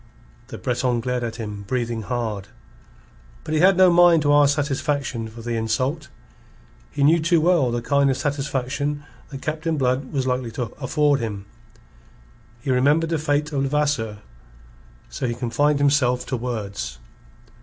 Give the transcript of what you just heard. The Breton glared at him, breathing hard. But he had no mind to ask satisfaction for the insult. He knew too well the kind of satisfaction that Captain Blood was likely to afford him. He remembered the fate of Levasseur. So he confined himself to words.